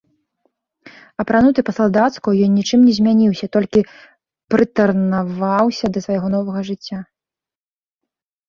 Апрануты па-салдацку, ён нічым не змяніўся, толькі прытарнаваўся да свайго новага жыцця.